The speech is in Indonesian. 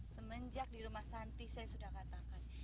semenjak di rumah santi saya sudah katakan